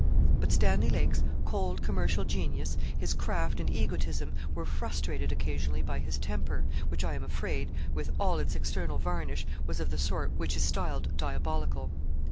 But Stanley Lake's cold, commercial genius, his craft and egotism, were frustrated occasionally by his temper, which, I am afraid, with all its external varnish, was of the sort which is styled diabolical.